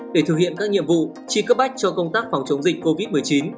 để thực hiện các nhiệm vụ chi cấp bách cho công tác phòng chống dịch covid một mươi chín